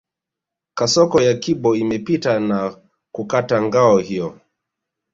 Kasoko ya kibo imepita na kukata ngao hiyo